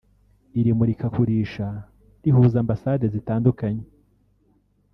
Iri murikagurisha rihuza Ambasade zitandukanye